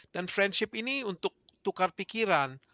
dan friendship ini untuk tukar pikiran